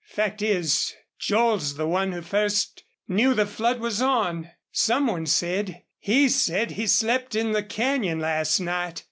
"Fact is, Joel's the one who first knew the flood was on. Some one said he said he slept in the canyon last night.